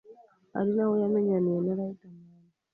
ari naho yamenyaniye na Riderman